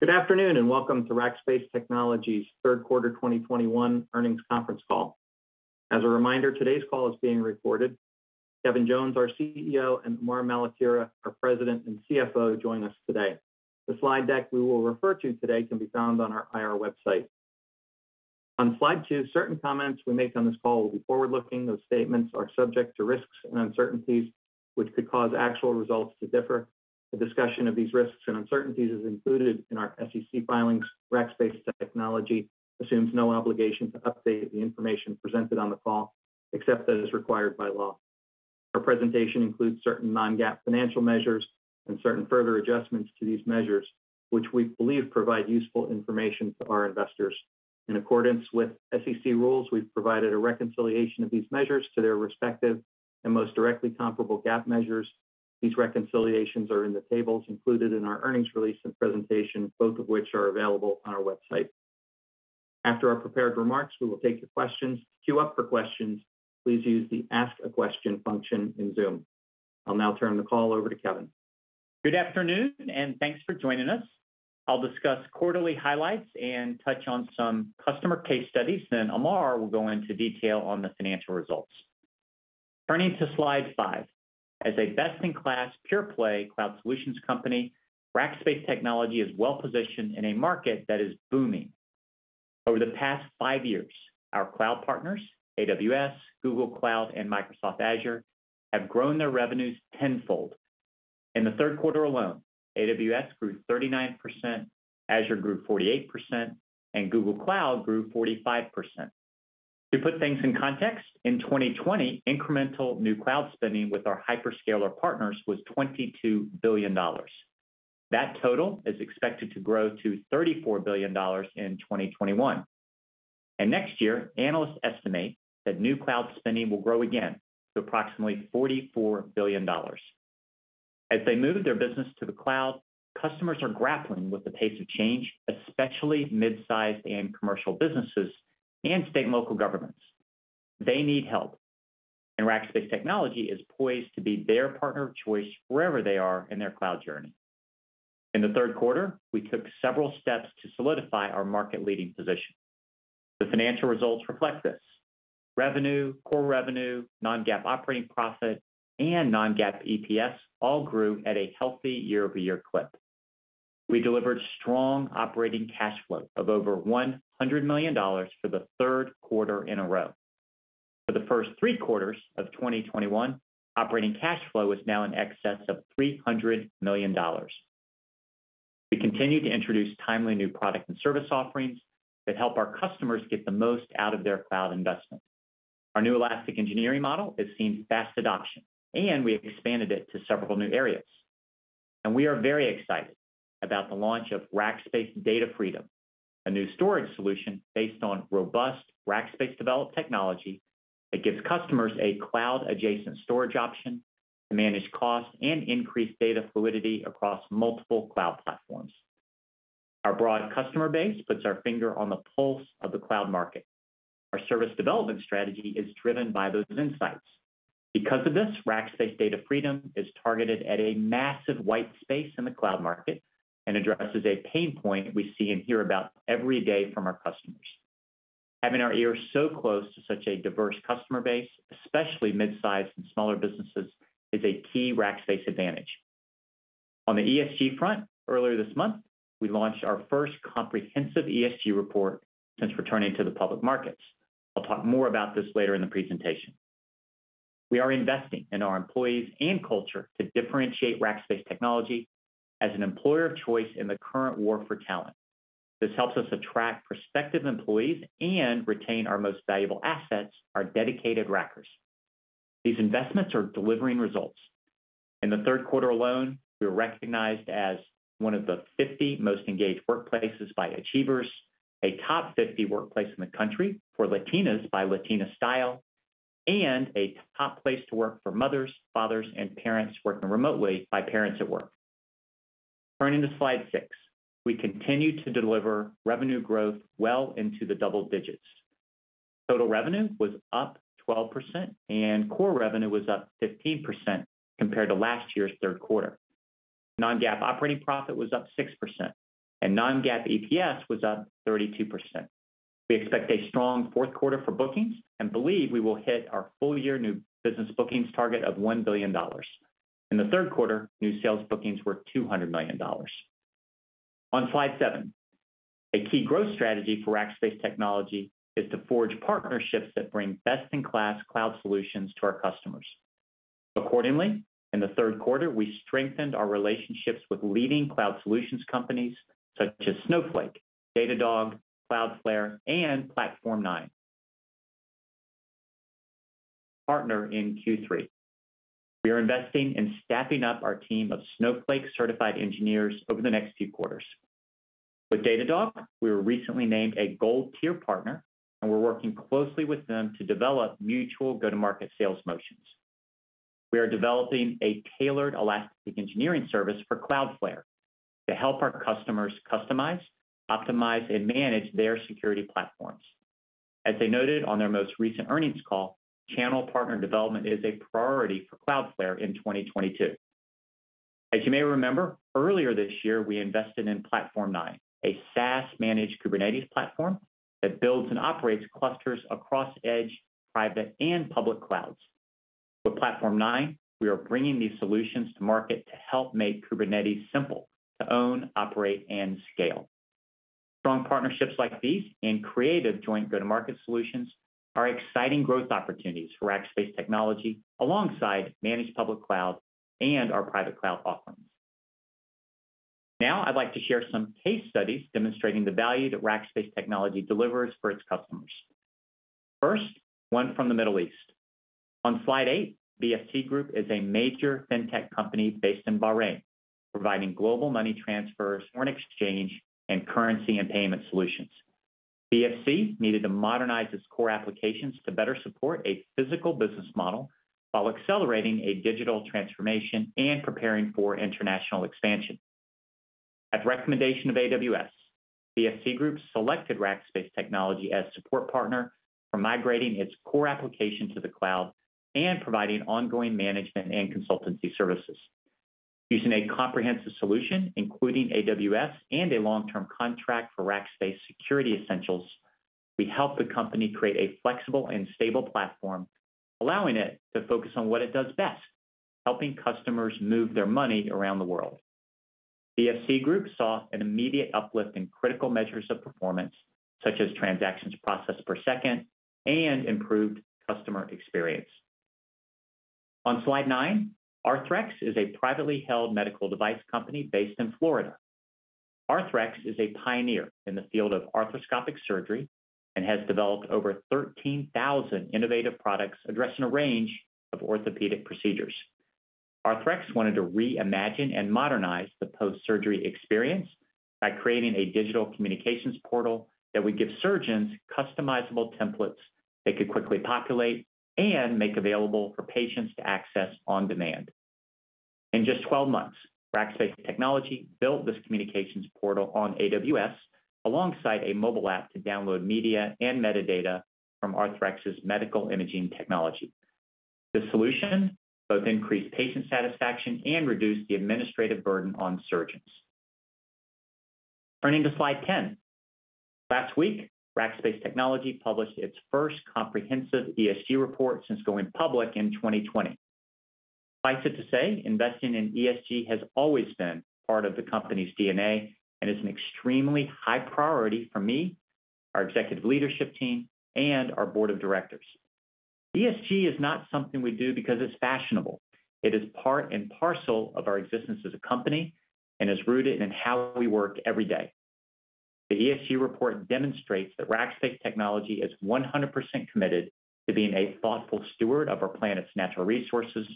Good afternoon, and welcome to Rackspace Technology's third quarter 2021 earnings conference call. As a reminder, today's call is being recorded. Kevin Jones, our CEO, and Amar Maletira, our President and CFO, join us today. The slide deck we will refer to today can be found on our IR website. On slide two, certain comments we make on this call will be forward-looking. Those statements are subject to risks and uncertainties which could cause actual results to differ. A discussion of these risks and uncertainties is included in our SEC filings. Rackspace Technology assumes no obligation to update the information presented on the call, except as required by law. Our presentation includes certain non-GAAP financial measures and certain further adjustments to these measures, which we believe provide useful information to our investors. In accordance with SEC rules, we've provided a reconciliation of these measures to their respective and most directly comparable GAAP measures. These reconciliations are in the tables included in our earnings release and presentation, both of which are available on our website. After our prepared remarks, we will take your questions. To queue up for questions, please use the Ask a Question function in Zoom. I'll now turn the call over to Kevin. Good afternoon, and thanks for joining us. I'll discuss quarterly highlights and touch on some customer case studies. Then Amar will go into detail on the financial results. Turning to slide five. As a best-in-class, pure-play cloud solutions company, Rackspace Technology is well-positioned in a market that is booming. Over the past five years, our cloud partners, AWS, Google Cloud, and Microsoft Azure, have grown their revenues tenfold. In the third quarter alone, AWS grew 39%, Azure grew 48%, and Google Cloud grew 45%. To put things in context, in 2020, incremental new cloud spending with our hyperscaler partners was $22 billion. That total is expected to grow to $34 billion in 2021. Next year, analysts estimate that new cloud spending will grow again to approximately $44 billion. As they move their business to the cloud, customers are grappling with the pace of change, especially mid-sized and commercial businesses and state and local governments. They need help, and Rackspace Technology is poised to be their partner of choice wherever they are in their cloud journey. In the third quarter, we took several steps to solidify our market-leading position. The financial results reflect this. Revenue, core revenue, non-GAAP operating profit, and non-GAAP EPS all grew at a healthy year-over-year clip. We delivered strong operating cash flow of over $100 million for the third quarter in a row. For the first three quarters of 2021, operating cash flow is now in excess of $300 million. We continue to introduce timely new product and service offerings that help our customers get the most out of their cloud investment. Our new Elastic Engineering model has seen fast adoption, and we have expanded it to several new areas. We are very excited about the launch of Rackspace Data Freedom, a new storage solution based on robust Rackspace-developed technology that gives customers a cloud-adjacent storage option to manage costs and increase data fluidity across multiple cloud platforms. Our broad customer base puts our finger on the pulse of the cloud market. Our service development strategy is driven by those insights. Because of this, Rackspace Data Freedom is targeted at a massive white space in the cloud market and addresses a pain point we see and hear about every day from our customers. Having our ear so close to such a diverse customer base, especially mid-sized and smaller businesses, is a key Rackspace advantage. On the ESG front, earlier this month, we launched our first comprehensive ESG report since returning to the public markets. I'll talk more about this later in the presentation. We are investing in our employees and culture to differentiate Rackspace Technology as an employer of choice in the current war for talent. This helps us attract prospective employees and retain our most valuable assets, our dedicated Rackers. These investments are delivering results. In the third quarter alone, we were recognized as one of the 50 most engaged workplaces by Achievers, a top 50 workplace in the country for Latinas by Latina Style, and a top place to work for mothers, fathers, and parents working remotely by Parents at Work. Turning to slide six. We continue to deliver revenue growth well into the double digits. Total revenue was up 12%, and core revenue was up 15% compared to last year's third quarter. Non-GAAP operating profit was up 6%, and non-GAAP EPS was up 32%. We expect a strong fourth quarter for bookings and believe we will hit our full-year new business bookings target of $1 billion. In the third quarter, new sales bookings were $200 million. On slide seven. A key growth strategy for Rackspace Technology is to forge partnerships that bring best-in-class cloud solutions to our customers. Accordingly, in the third quarter, we strengthened our relationships with leading cloud solutions companies such as Snowflake, Datadog, Cloudflare, and Platform9. Partner in Q3. We are investing in staffing up our team of Snowflake-certified engineers over the next few quarters. With Datadog, we were recently named a gold-tier partner, and we're working closely with them to develop mutual go-to-market sales motions. We are developing a tailored elastic engineering service for Cloudflare to help our customers customize, optimize, and manage their security platforms. As they noted on their most recent earnings call, channel partner development is a priority for Cloudflare in 2022. As you may remember, earlier this year we invested in Platform9, a SaaS managed Kubernetes platform that builds and operates clusters across edge, private, and public clouds. With Platform9, we are bringing these solutions to market to help make Kubernetes simple to own, operate, and scale. Strong partnerships like these and creative joint go-to-market solutions are exciting growth opportunities for Rackspace Technology alongside managed public cloud and our private cloud offerings. Now I'd like to share some case studies demonstrating the value that Rackspace Technology delivers for its customers. First, one from the Middle East. On slide eight, BFC Group is a major fintech company based in Bahrain, providing global money transfers, foreign exchange, and currency and payment solutions. BFC needed to modernize its core applications to better support a physical business model while accelerating a digital transformation and preparing for international expansion. At the recommendation of AWS, BFC Group selected Rackspace Technology as support partner for migrating its core application to the cloud and providing ongoing management and consultancy services. Using a comprehensive solution, including AWS and a long-term contract for Rackspace Security Essentials, we helped the company create a flexible and stable platform, allowing it to focus on what it does best, helping customers move their money around the world. BFC Group saw an immediate uplift in critical measures of performance, such as transactions processed per second and improved customer experience. On slide nine, Arthrex is a privately held medical device company based in Florida. Arthrex is a pioneer in the field of arthroscopic surgery and has developed over 13,000 innovative products addressing a range of orthopedic procedures. Arthrex wanted to reimagine and modernize the post-surgery experience by creating a digital communications portal that would give surgeons customizable templates they could quickly populate and make available for patients to access on demand. In just 12 months, Rackspace Technology built this communications portal on AWS alongside a mobile app to download media and metadata from Arthrex's medical imaging technology. The solution both increased patient satisfaction and reduced the administrative burden on surgeons. Turning to slide ten. Last week, Rackspace Technology published its first comprehensive ESG report since going public in 2020. Suffice it to say, investing in ESG has always been part of the company's DNA and is an extremely high priority for me, our executive leadership team, and our board of directors. ESG is not something we do because it's fashionable. It is part and parcel of our existence as a company and is rooted in how we work every day. The ESG report demonstrates that Rackspace Technology is 100% committed to being a thoughtful steward of our planet's natural resources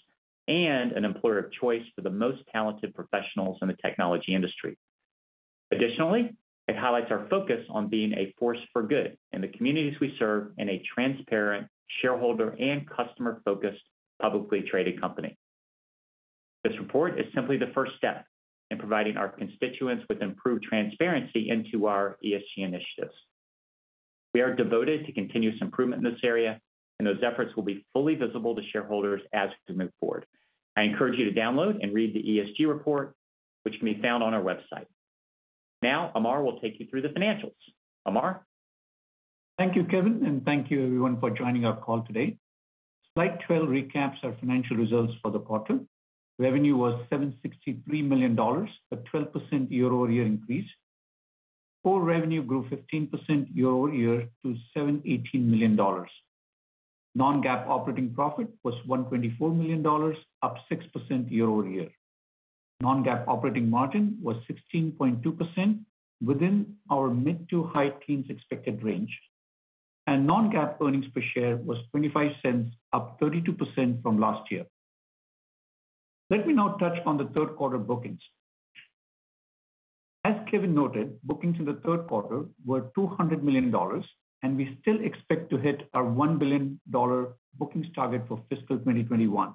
and an employer of choice for the most talented professionals in the technology industry. Additionally, it highlights our focus on being a force for good in the communities we serve in a transparent shareholder and customer-focused, publicly traded company. This report is simply the first step in providing our constituents with improved transparency into our ESG initiatives. We are devoted to continuous improvement in this area, and those efforts will be fully visible to shareholders as we move forward. I encourage you to download and read the ESG report, which can be found on our website. Now, Amar will take you through the financials. Amar? Thank you, Kevin, and thank you everyone for joining our call today. Slide 12 recaps our financial results for the quarter. Revenue was $763 million, a 12% year-over-year increase. Core revenue grew 15% year-over-year to $718 million. Non-GAAP operating profit was $124 million, up 6% year-over-year. Non-GAAP operating margin was 16.2% within our mid to high teens expected range. Non-GAAP earnings per share was $0.25, up 32% from last year. Let me now touch on the third quarter bookings. As Kevin noted, bookings in the third quarter were $200 million, and we still expect to hit our $1 billion bookings target for fiscal 2021.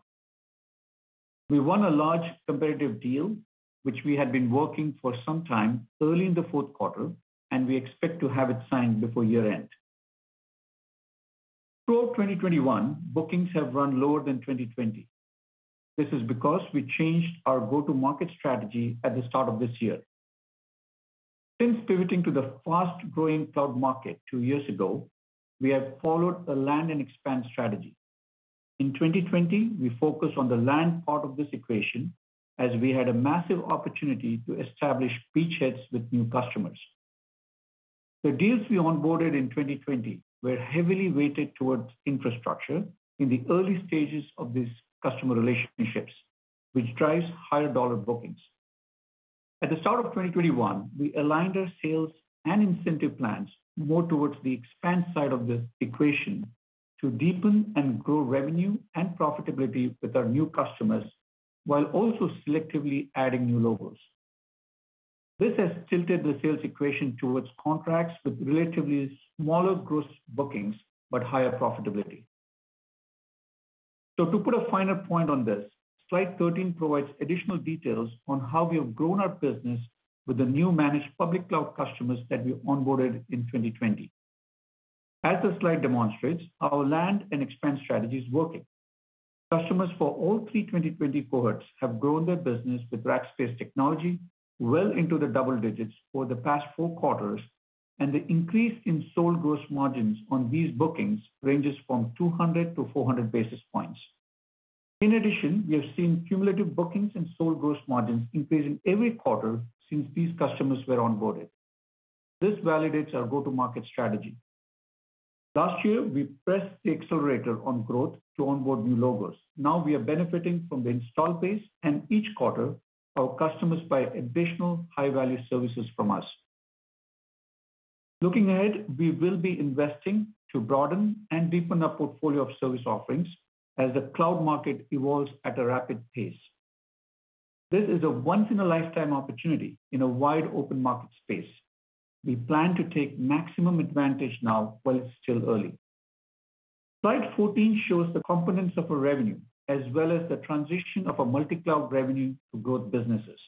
We won a large competitive deal, which we had been working for some time early in the fourth quarter, and we expect to have it signed before year-end. Through all of 2021, bookings have run lower than 2020. This is because we changed our go-to-market strategy at the start of this year. Since pivoting to the fast-growing cloud market two years ago, we have followed a land and expand strategy. In 2020, we focused on the land part of this equation as we had a massive opportunity to establish beachheads with new customers. The deals we onboarded in 2020 were heavily weighted towards infrastructure in the early stages of these customer relationships, which drives higher dollar bookings. At the start of 2021, we aligned our sales and incentive plans more towards the expand side of this equation to deepen and grow revenue and profitability with our new customers while also selectively adding new logos. This has tilted the sales equation towards contracts with relatively smaller gross bookings, but higher profitability. To put a final point on this, slide 13 provides additional details on how we have grown our business with the new managed public cloud customers that we onboarded in 2020. As the slide demonstrates, our land and expand strategy is working. Customers for all three 2020 cohorts have grown their business with Rackspace Technology well into the double digits for the past four quarters, and the increase in sold gross margins on these bookings ranges from 200 to 400 basis points. In addition, we have seen cumulative bookings and sold gross margins increase in every quarter since these customers were onboarded. This validates our go-to-market strategy. Last year, we pressed the accelerator on growth to onboard new logos. Now we are benefiting from the installed base, and each quarter our customers buy additional high-value services from us. Looking ahead, we will be investing to broaden and deepen our portfolio of service offerings as the cloud market evolves at a rapid pace. This is a once in a lifetime opportunity in a wide open market space. We plan to take maximum advantage now while it's still early. Slide 14 shows the components of our revenue as well as the transition of our multi-cloud revenue to growth businesses.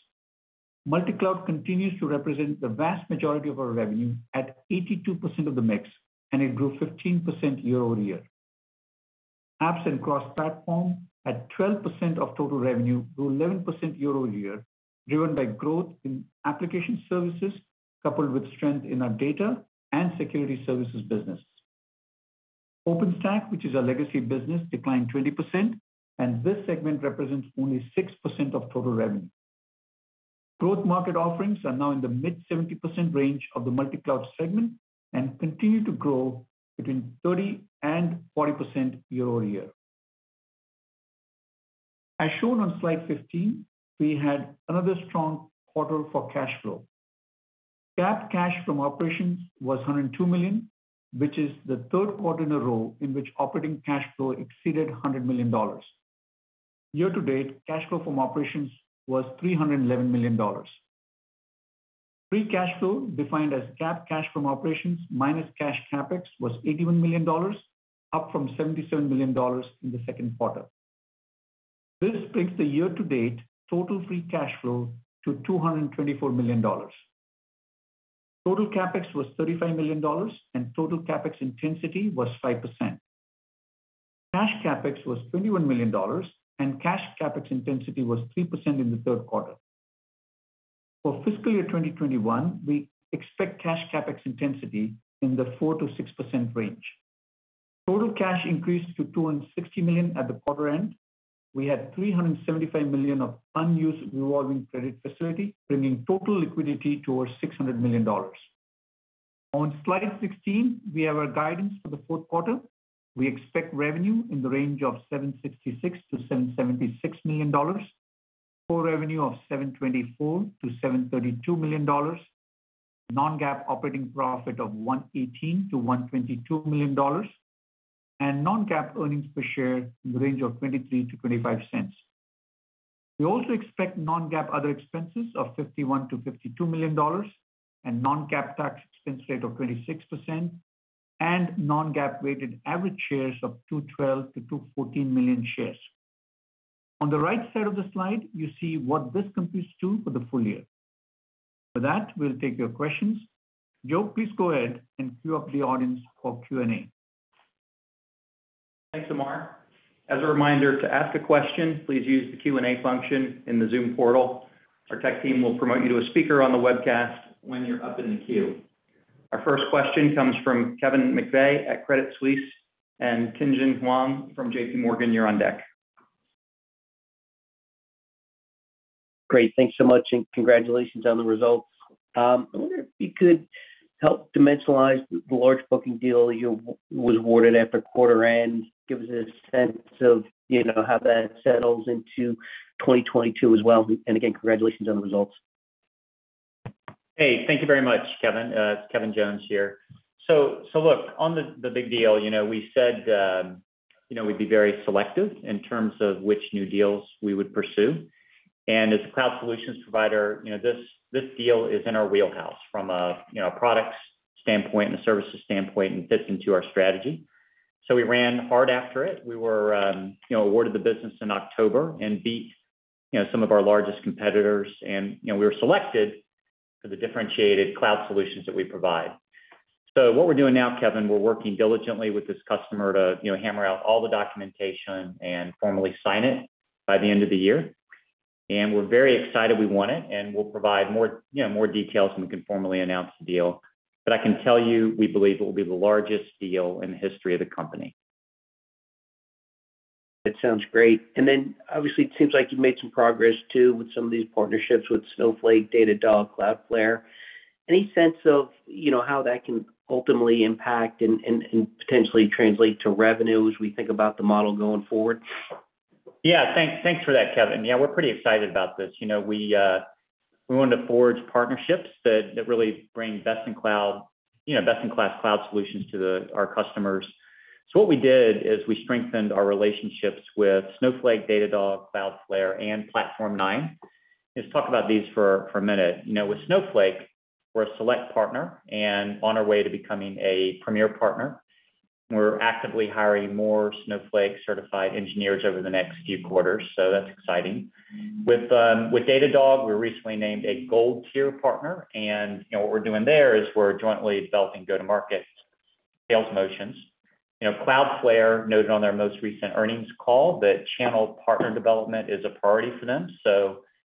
Multi-cloud continues to represent the vast majority of our revenue at 82% of the mix, and it grew 15% year-over-year. Apps and cross-platform at 12% of total revenue grew 11% year over year, driven by growth in application services coupled with strength in our data and security services business. OpenStack, which is our legacy business, declined 20%, and this segment represents only 6% of total revenue. Growth market offerings are now in the mid-70% range of the multi-cloud segment and continue to grow between 30% and 40% year over year. As shown on slide 15, we had another strong quarter for cash flow. GAAP cash from operations was $102 million, which is the third quarter in a row in which operating cash flow exceeded $100 million. Year to date, cash flow from operations was $311 million. Free cash flow, defined as GAAP cash from operations minus cash CapEx, was $81 million, up from $77 million in the second quarter. This brings the year to date total free cash flow to $224 million. Total CapEx was $35 million, and total CapEx intensity was 5%. Cash CapEx was $21 million, and cash CapEx intensity was 3% in the third quarter. For fiscal year 2021, we expect cash CapEx intensity in the 4%-6% range. Total cash increased to $260 million at the quarter end. We had $375 million of unused revolving credit facility, bringing total liquidity to over $600 million. On slide 16, we have our guidance for the fourth quarter. We expect revenue in the range of $766 million-$776 million. Core revenue of $724 million-$732 million. Non-GAAP operating profit of $118 million-$122 million. Non-GAAP earnings per share in the range of $0.23-$0.25. We also expect non-GAAP other expenses of $51 million-$52 million and non-GAAP tax expense rate of 26%, and non-GAAP weighted average shares of 212 million-214 million shares. On the right side of the slide, you see what this completes to for the full year. For that, we'll take your questions. Joe, please go ahead and queue up the audience for Q&A. Thanks, Amar. As a reminder, to ask a question, please use the Q&A function in the Zoom portal. Our tech team will promote you to a speaker on the webcast when you're up in the queue. Our first question comes from Kevin McVeigh at Credit Suisse, and Tien-Tsin Huang from JPMorgan, you're on deck. Great. Thanks so much, and congratulations on the results. I wonder if you could help dimensionalize the large booking deal you was awarded at the quarter end. Give us a sense of, you know, how that settles into 2022 as well. Again, congratulations on the results. Hey, thank you very much, Kevin. It's Kevin Jones here. Look, on the big deal, you know, we said, you know, we'd be very selective in terms of which new deals we would pursue. As a cloud solutions provider, you know, this deal is in our wheelhouse from a, you know, products standpoint and a services standpoint, and fits into our strategy. We ran hard after it. We were, you know, awarded the business in October and beat, you know, some of our largest competitors. You know, we were selected for the differentiated cloud solutions that we provide. What we're doing now, Kevin, we're working diligently with this customer to, you know, hammer out all the documentation and formally sign it by the end of the year. We're very excited we won it, and we'll provide more, you know, more details when we can formally announce the deal. I can tell you, we believe it will be the largest deal in the history of the company. That sounds great. Obviously it seems like you've made some progress too with some of these partnerships with Snowflake, Datadog, Cloudflare. Any sense of, you know, how that can ultimately impact and potentially translate to revenue as we think about the model going forward? Yeah. Thanks for that, Kevin. Yeah, we're pretty excited about this. You know, we wanted to forge partnerships that really bring best in class cloud solutions to our customers. What we did is we strengthened our relationships with Snowflake, Datadog, Cloudflare, and Platform9. Let's talk about these for a minute. You know, with Snowflake, we're a select partner and on our way to becoming a premier partner. We're actively hiring more Snowflake certified engineers over the next few quarters, so that's exciting. With Datadog, we're recently named a gold tier partner and, you know, what we're doing there is we're jointly developing go-to-market sales motions. You know, Cloudflare noted on their most recent earnings call that channel partner development is a priority for them.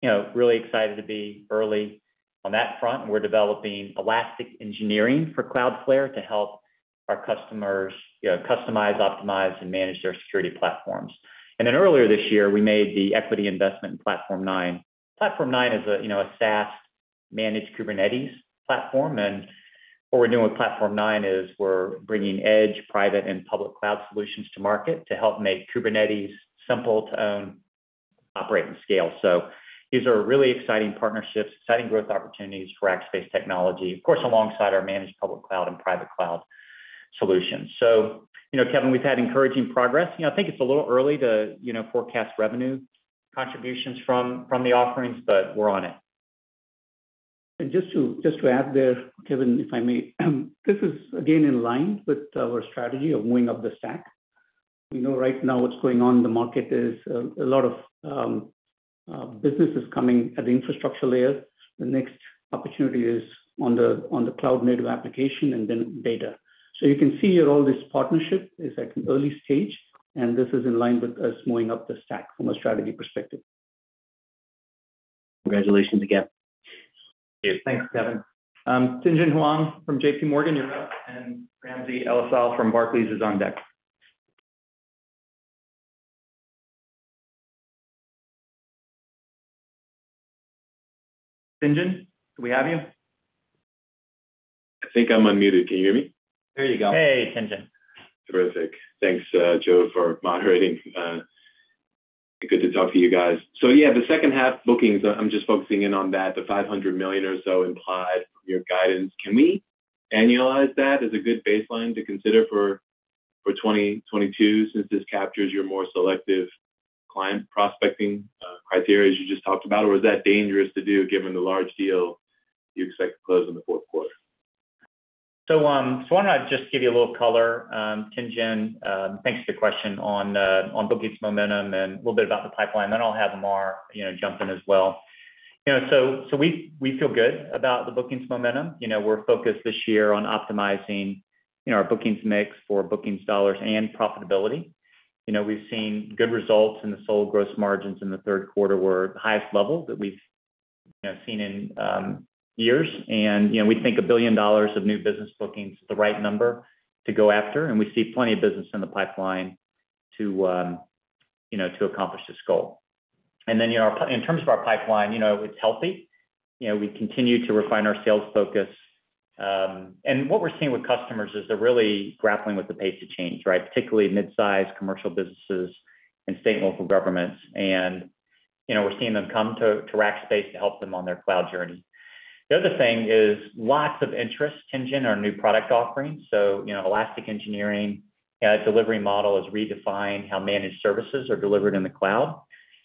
You know, really excited to be early on that front, and we're developing Elastic Engineering for Cloudflare to help our customers, you know, customize, optimize, and manage their security platforms. Then earlier this year, we made the equity investment in Platform9. Platform9 is a, you know, a SaaS-managed Kubernetes platform. What we're doing with Platform9 is we're bringing edge, private, and public cloud solutions to market to help make Kubernetes simple to own, operate, and scale. These are really exciting partnerships, exciting growth opportunities for Rackspace Technology, of course, alongside our managed public cloud and private cloud solutions. You know, Kevin, we've had encouraging progress. You know, I think it's a little early to, you know, forecast revenue contributions from the offerings, but we're on it. Just to add there, Kevin, if I may, this is again in line with our strategy of moving up the stack. We know right now what's going on in the market is a lot of businesses coming at the infrastructure layer. The next opportunity is on the cloud-native application and then data. You can see here all this partnership is at an early stage, and this is in line with us moving up the stack from a strategy perspective. Congratulations again. Thanks, Kevin. Tien-Tsin Huang from JPMorgan, you're up, and Raimo Lenschow from Barclays is on deck. Tien-Tsin, do we have you? I think I'm unmuted. Can you hear me? There you go. Hey, Tien-Tsin Huang. Terrific. Thanks, Joe, for moderating. Good to talk to you guys. Yeah, the second half bookings, I'm just focusing in on that, the $500 million or so implied from your guidance. Can we annualize that as a good baseline to consider for 2022, since this captures your more selective client prospecting criteria as you just talked about? Or is that dangerous to do given the large deal you expect to close in the fourth quarter? Why don't I just give you a little color, Tien-Tsin Huang, thanks for the question on bookings momentum and a little bit about the pipeline, then I'll have Amar Maletira jump in as well. You know, we feel good about the bookings momentum. You know, we're focused this year on optimizing our bookings mix for bookings dollars and profitability. You know, we've seen good results, and so the gross margins in the third quarter were the highest level that we've seen in years. We think $1 billion of new business bookings is the right number to go after, and we see plenty of business in the pipeline to accomplish this goal. You know, in terms of our pipeline, you know, it's healthy. You know, we continue to refine our sales focus. What we're seeing with customers is they're really grappling with the pace of change, right? Particularly mid-size commercial businesses and state and local governments. You know, we're seeing them come to Rackspace to help them on their cloud journey. The other thing is lots of interest, Tien-Tsin Huang, on our new product offerings. You know, Elastic Engineering delivery model has redefined how managed services are delivered in the cloud.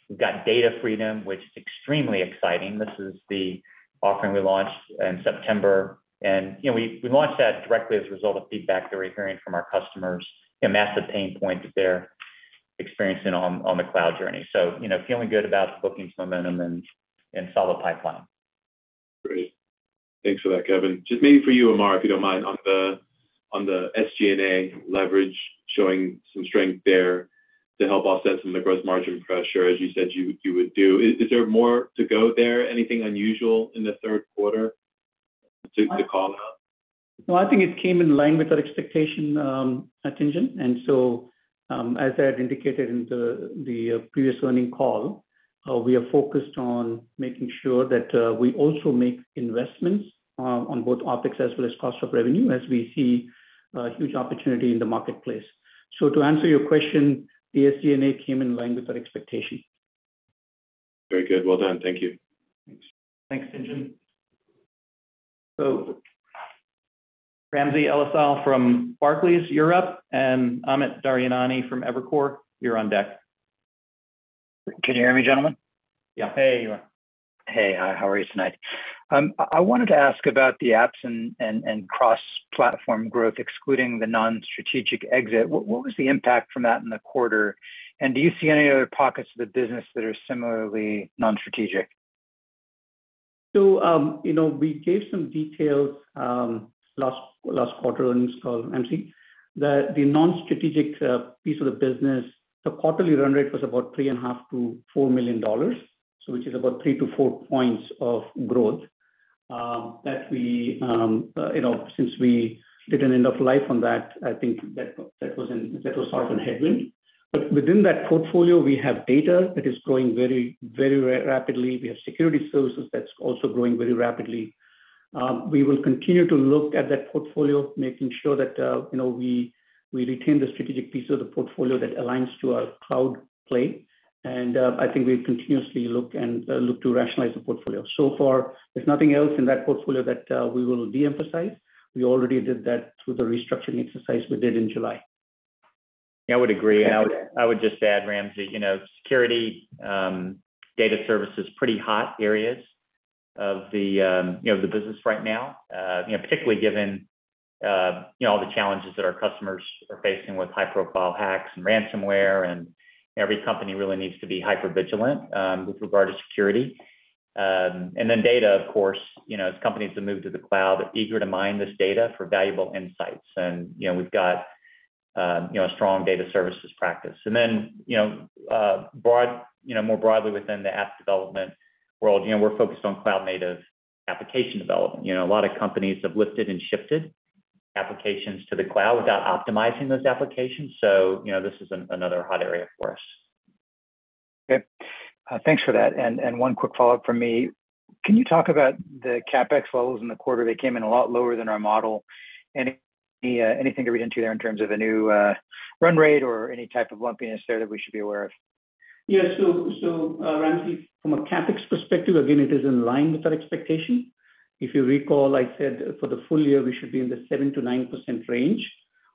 We've got Data Freedom, which is extremely exciting. This is the offering we launched in September. You know, we launched that directly as a result of feedback that we're hearing from our customers and massive pain points that they're experiencing on the cloud journey. You know, feeling good about the bookings momentum and solid pipeline. Great. Thanks for that, Kevin. Just maybe for you, Amar, if you don't mind, on the SG&A leverage showing some strength there to help offset some of the gross margin pressure as you said you would do. Is there more to go there? Anything unusual in the third quarter to call out? No, I think it came in line with our expectation, Tien-Tsin Huang. As I had indicated in the previous earnings call, we are focused on making sure that we also make investments on both OpEx as well as cost of revenue as we see a huge opportunity in the marketplace. To answer your question, the SG&A came in line with our expectation. Very good. Well done. Thank you. Thanks, Tien-Tsin Huang. Raimo Lenschow from Barclays, you're up, and Amit Daryanani from Evercore, you're on deck. Can you hear me, gentlemen? Yeah. Hey, Raimo. Hey. How are you tonight? I wanted to ask about the apps and cross-platform growth, excluding the non-strategic exit. What was the impact from that in the quarter? Do you see any other pockets of the business that are similarly non-strategic? You know, we gave some details last quarter on this call, Raimo Lenschow, that the non-strategic piece of the business, the quarterly run rate was about $3.5 million-$4 million, which is about 3-4 points of growth, you know, since we did an end of life on that. I think that was sort of a headwind. But within that portfolio, we have data that is growing very rapidly. We have security services that's also growing very rapidly. We will continue to look at that portfolio, making sure that, you know, we retain the strategic piece of the portfolio that aligns to our cloud play. I think we continuously look to rationalize the portfolio. So far, there's nothing else in that portfolio that we will de-emphasize. We already did that through the restructuring exercise we did in July. Yeah, I would agree. I would just add, Raimo Lenschow, you know, security and data services are pretty hot areas of the business right now. You know, particularly given, you know, all the challenges that our customers are facing with high-profile hacks and ransomware, and every company really needs to be hypervigilant with regard to security. Then data, of course, you know, as companies have moved to the cloud, they're eager to mine this data for valuable insights. You know, we've got, you know, a strong data services practice. Then, you know, more broadly within the app development world, you know, we're focused on cloud-native application development. You know, a lot of companies have lifted and shifted applications to the cloud without optimizing those applications. You know, this is another hot area for us. Okay. Thanks for that. One quick follow-up from me. Can you talk about the CapEx flows in the quarter? They came in a lot lower than our model. Anything to read into there in terms of a new run rate or any type of lumpiness there that we should be aware of? Yeah. Ramsey, from a CapEx perspective, again, it is in line with our expectation. If you recall, I said for the full year, we should be in the 7%-9% range.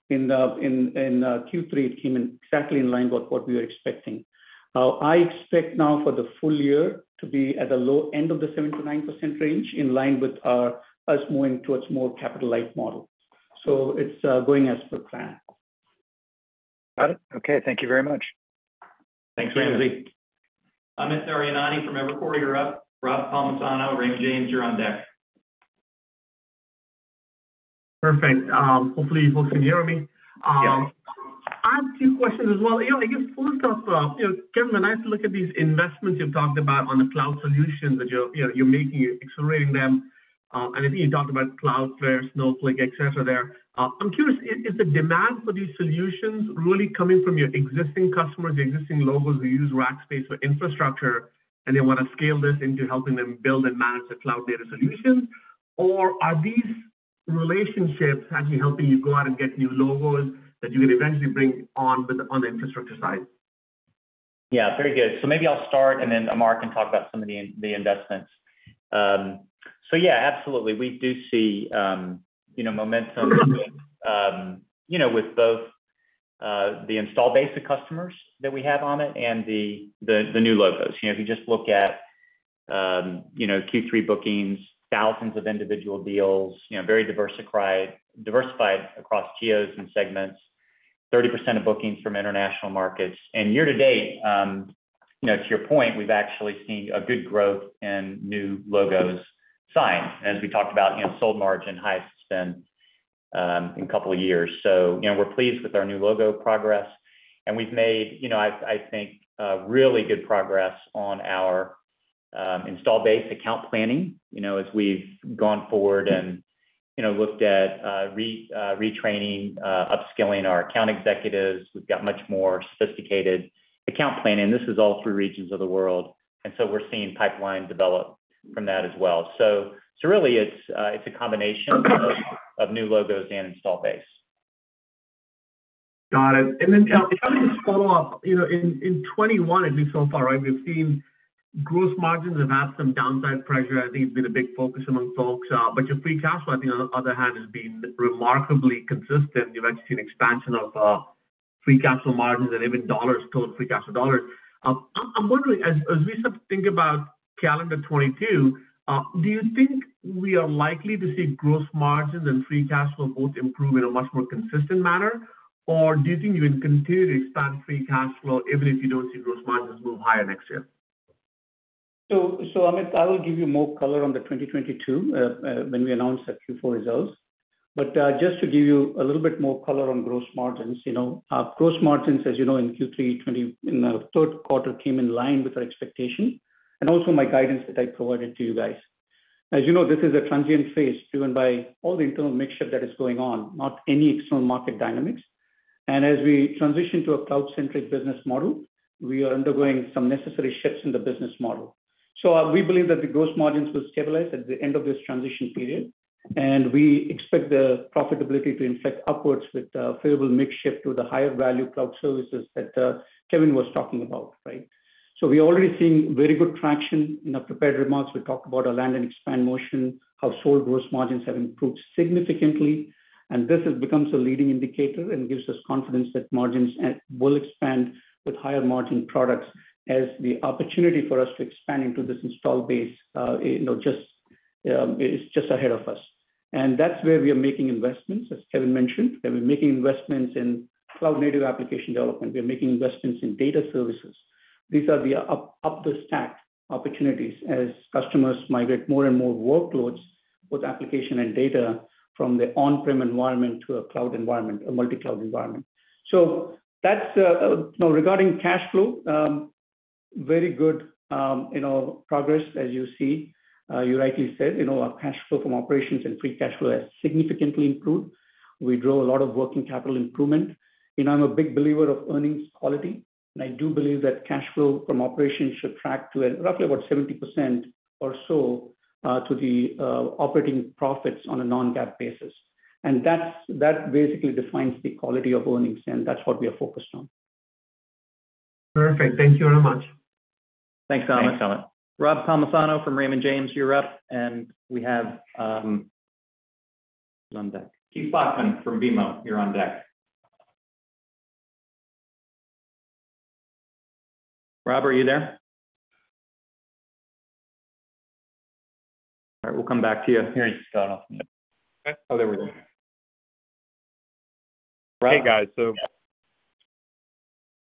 In Q3, it came in exactly in line with what we were expecting. I expect now for the full year to be at the low end of the 7%-9% range, in line with us moving towards more capital-light model. It's going as per plan. Got it. Okay, thank you very much. Thanks, Raimo Lenschow. Amit Daryanani from Evercore, you're up. Robert Palmisano, Raymond James, you're on deck. Perfect. Hopefully you folks can hear me. Yes. I have two questions as well. You know, I guess first off, you know, Kevin, I'd like to look at these investments you've talked about on the cloud solutions that you're, you know, you're making, you're accelerating them. If you talked about Cloudflare, Snowflake, et cetera there. I'm curious, is the demand for these solutions really coming from your existing customers, existing logos who use Rackspace for infrastructure, and they wanna scale this into helping them build and manage the cloud data solutions? Or are these relationships actually helping you go out and get new logos that you can eventually bring on to the infrastructure side? Yeah, very good. Maybe I'll start, and then Amar can talk about some of the investments. Yeah, absolutely. We do see you know, momentum you know, with both the installed base of customers that we have on it and the new logos. You know, if you just look at Q3 bookings, thousands of individual deals, you know, very diversified across geos and segments, 30% of bookings from international markets. Year to date, you know, to your point, we've actually seen a good growth in new logos signed. As we talked about, you know, sold margin highest it's been in a couple of years. We're pleased with our new logo progress. We've made, you know, I think really good progress on our installed base account planning. You know, as we've gone forward and, you know, looked at retraining, upskilling our account executives, we've got much more sophisticated account planning. This is all through regions of the world, and so we're seeing pipeline develop from that as well. Really it's a combination of new logos and install base. Got it. If I may just follow up. You know, in 2021, at least so far, right, we've seen gross margins have had some downside pressure. I think it's been a big focus among folks. Your free cash flow, I think, on the other hand, has been remarkably consistent. You've actually seen expansion of free cash flow margins and even dollars, total free cash flow dollars. I'm wondering, as we start to think about calendar 2022, do you think we are likely to see gross margins and free cash flow both improve in a much more consistent manner? Or do you think you can continue to expand free cash flow even if you don't see gross margins move higher next year? Amit, I will give you more color on the 2022, when we announce our Q4 results. Just to give you a little bit more color on gross margins, you know, our gross margins, as you know, in the third quarter, came in line with our expectation, and also my guidance that I provided to you guys. As you know, this is a transient phase driven by all the internal mix that is going on, not any external market dynamics. As we transition to a cloud-centric business model, we are undergoing some necessary shifts in the business model. We believe that the gross margins will stabilize at the end of this transition period, and we expect the profitability to inflect upwards with favorable mix shift to the higher value cloud services that Kevin was talking about, right? We're already seeing very good traction. In our prepared remarks, we talked about our land and expand motion, how our sold gross margins have improved significantly. This has become a leading indicator and gives us confidence that margins will expand with higher margin products as the opportunity for us to expand into this installed base is just ahead of us. That's where we are making investments, as Kevin mentioned, that we're making investments in cloud native application development. We're making investments in data services. These are the up the stack opportunities as customers migrate more and more workloads, both application and data, from the on-prem environment to a cloud environment, a multi-cloud environment. Now regarding cash flow, very good, you know, progress as you see. You rightly said, you know, our cash flow from operations and free cash flow has significantly improved. We drove a lot of working capital improvement. You know, I'm a big believer of earnings quality, and I do believe that cash flow from operations should track to roughly about 70% or so to the operating profits on a non-GAAP basis. That basically defines the quality of earnings, and that's what we are focused on. Perfect. Thank you very much. Thanks, Amit. Thanks Amit. Rob Palmisano from Raymond James, you're up. We have, who on deck? Keith Bachman from BMO, you're on deck. Rob, are you there? All right, we'll come back to you. Oh, there we go. Rob.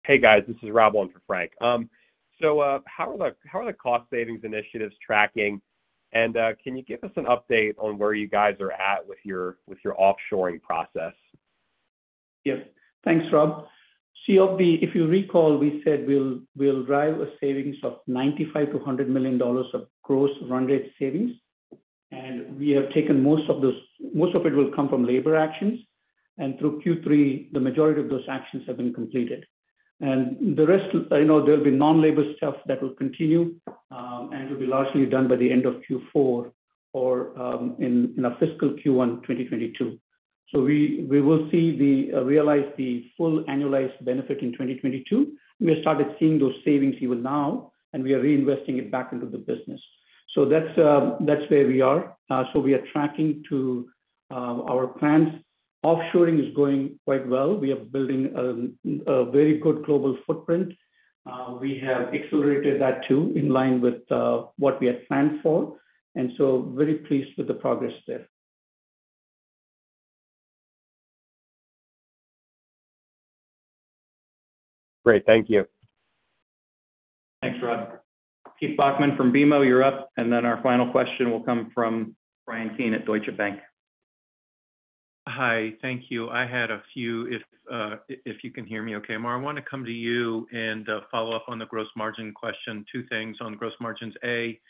Hey guys, this is Rob on for Frank. How are the cost savings initiatives tracking? Can you give us an update on where you guys are at with your offshoring process? Yes. Thanks, Rob. See if you recall, we said we'll drive a savings of $95 million-$100 million of gross run rate savings. We have taken most of those. Most of it will come from labor actions. Through Q3, the majority of those actions have been completed. The rest, you know, there'll be non-labor stuff that will continue, and will be largely done by the end of Q4 or in our fiscal Q1, 2022. We will realize the full annualized benefit in 2022. We have started seeing those savings even now, and we are reinvesting it back into the business. That's where we are. We are tracking to our plans. Offshoring is going quite well. We are building a very good global footprint. We have accelerated that too, in line with what we had planned for. Very pleased with the progress there. Great. Thank you. Thanks, Rob. Keith Bachman from BMO, you're up. Then our final question will come from Bryan Keane at Deutsche Bank. Hi. Thank you. I have a few, if you can hear me okay. Amar, I wanna come to you and follow up on the gross margin question. Two things on gross margins. A,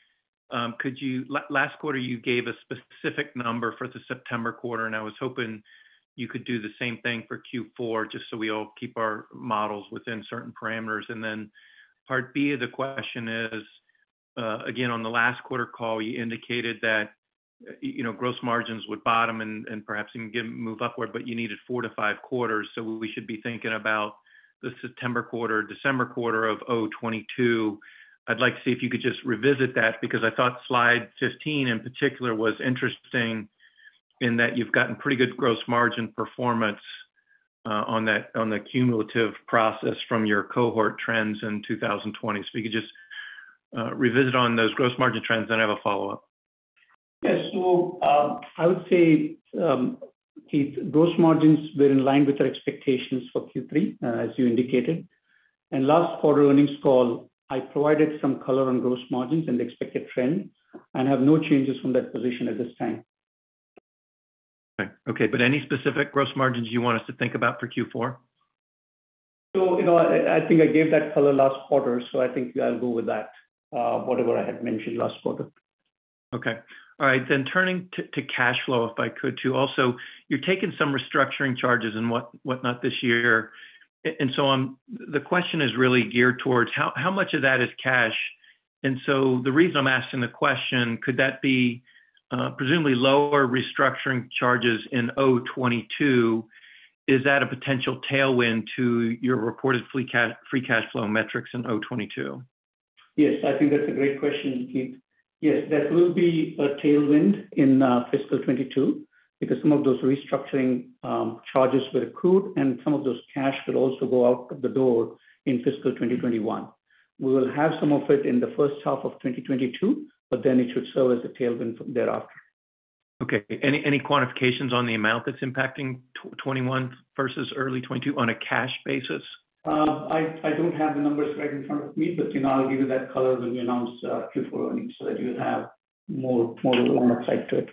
last quarter, you gave a specific number for the September quarter, and I was hoping you could do the same thing for Q4, just so we all keep our models within certain parameters. Part B of the question is, again, on the last quarter call, you indicated that you know, gross margins would bottom and perhaps even move upward, but you needed four to five quarters, so we should be thinking about the September quarter, December quarter of 2022. I'd like to see if you could just revisit that because I thought slide 15 in particular was interesting in that you've gotten pretty good gross margin performance on that, on the cumulative process from your cohort trends in 2020. If you could just revisit on those gross margin trends, then I have a follow-up. Yes. I would say, Keith, gross margins were in line with our expectations for Q3, as you indicated. In last quarter earnings call, I provided some color on gross margins and the expected trend, and have no changes from that position at this time. Okay. Any specific gross margins you want us to think about for Q4? you know, I think I gave that color last quarter, so I think I'll go with that, whatever I had mentioned last quarter. Okay. All right. Turning to cash flow, if I could too also. You're taking some restructuring charges and whatnot this year. The question is really geared towards how much of that is cash. The reason I'm asking the question is, could that be presumably lower restructuring charges in 2H 2022? Is that a potential tailwind to your reported free cash flow metrics in 2H 2022? Yes. I think that's a great question, Keith. Yes, that will be a tailwind in fiscal 2022 because some of those restructuring charges were accrued and some of those cash could also go out the door in fiscal 2021. We will have some of it in the first half of 2022, but then it should serve as a tailwind thereafter. Okay. Any quantifications on the amount that's impacting 2021 versus early 2022 on a cash basis? I don't have the numbers right in front of me, but you know, I'll give you that color when we announce Q4 earnings so that you'll have more of an insight to it.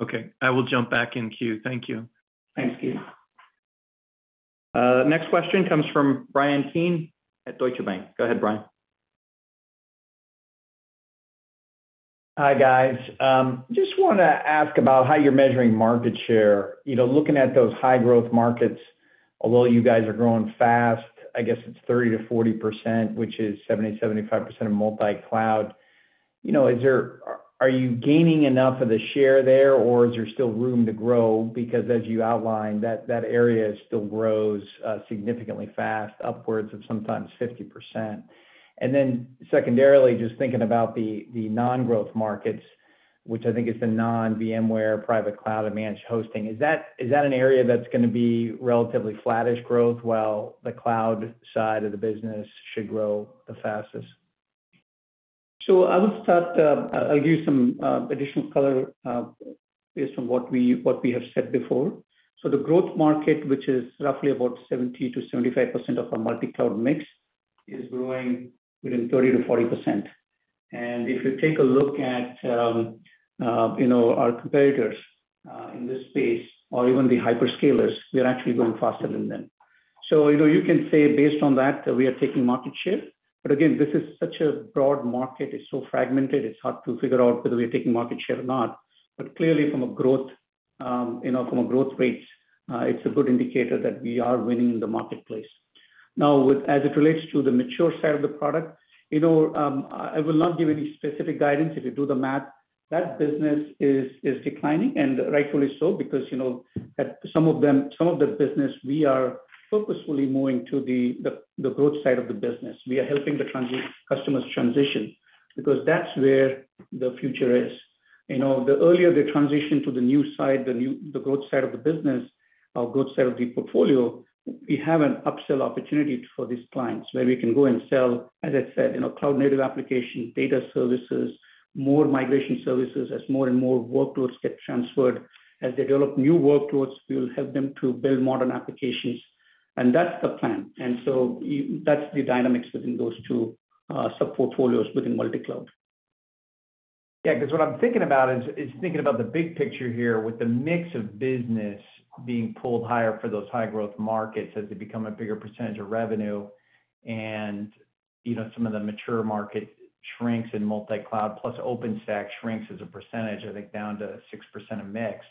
Okay. I will jump back in queue. Thank you. Thanks, Keith. Next question comes from Bryan Keane at Deutsche Bank. Go ahead, Bryan. Hi, guys. Just wanna ask about how you're measuring market share. You know, looking at those high growth markets, although you guys are growing fast, I guess it's 30%-40%, which is 70-75% of multi-cloud. You know, is there? Are you gaining enough of the share there, or is there still room to grow? Because as you outlined, that area still grows significantly fast, upwards of sometimes 50%. Then secondarily, just thinking about the non-growth markets, which I think is the non-VMware private cloud and managed hosting. Is that an area that's gonna be relatively flattish growth, while the cloud side of the business should grow the fastest? I would start. I'll give some additional color based on what we have said before. The growth market, which is roughly about 70%-75% of our multi-cloud mix, is growing within 30%-40%. If you take a look at you know, our competitors in this space or even the hyperscalers, we are actually growing faster than them. You know, you can say based on that, we are taking market share. Again, this is such a broad market. It's so fragmented, it's hard to figure out whether we are taking market share or not. Clearly from a growth you know, from a growth rates, it's a good indicator that we are winning the marketplace. Now, as it relates to the mature side of the product, you know, I will not give any specific guidance. If you do the math. That business is declining and rightfully so because, you know, some of the business, we are purposefully moving to the growth side of the business. We are helping the transitioning customers transition because that's where the future is. You know, the earlier they transition to the new side, the growth side of the business or growth side of the portfolio, we have an upsell opportunity for these clients where we can go and sell, as I said, you know, cloud-native application, data services, more migration services as more and more workloads get transferred. As they develop new workloads, we will help them to build modern applications, and that's the plan. That's the dynamics within those two sub-portfolios within multi-cloud. Yeah, 'cause what I'm thinking about is thinking about the big picture here with the mix of business being pulled higher for those high-growth markets as they become a bigger percentage of revenue and, you know, some of the mature market shrinks in multi-cloud plus OpenStack shrinks as a percentage, I think, down to 6% of mix.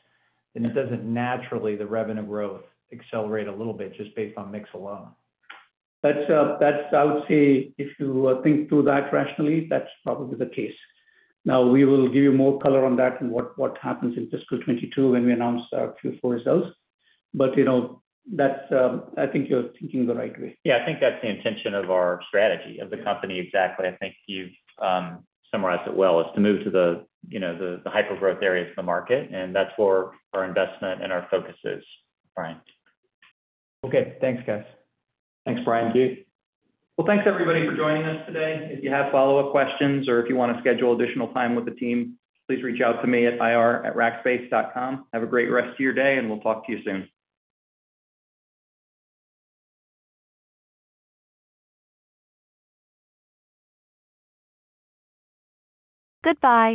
It doesn't naturally, the revenue growth accelerate a little bit just based on mix alone. That's I would say if you think through that rationally, that's probably the case. Now, we will give you more color on that and what happens in fiscal 2022 when we announce our Q4 results. You know, that's, I think you're thinking the right way. Yeah, I think that's the intention of our strategy of the company. Exactly. I think you've summarized it well. It is to move to the, you know, the hyper-growth areas of the market, and that's where our investment and our focus is, Bryan. Okay. Thanks, guys. Thanks, Bryan. Thank you. Well, thanks everybody for joining us today. If you have follow-up questions or if you wanna schedule additional time with the team, please reach out to me at ir@rackspace.com. Have a great rest of your day, and we'll talk to you soon. Goodbye.